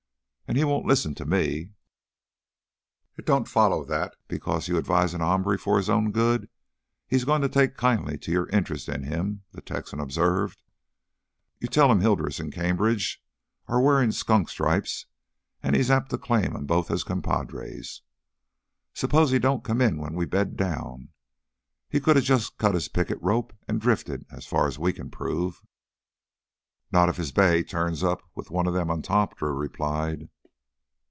"And he won't listen to me " "It don't foller that because you advise a hombre for his own good, he's goin' to take kindly to your interest in him," the Texan observed. "You tell him Hilders an' Cambridge are wearin' skunk stripes, an' he's apt to claim 'em both as compadres. Suppose he don't come in when we bed down; he coulda jus' cut his picket rope an' drifted, as far as we can prove." "Not if his bay turns up with one of them on top," Drew replied.